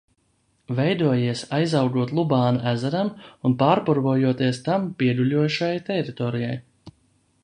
Veidojies, aizaugot Lubāna ezeram un pārpurvojoties tam pieguļošajai teritorijai.